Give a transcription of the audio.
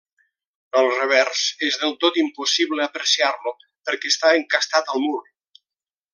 El revers és del tot impossible apreciar-lo perquè està encastat al mur.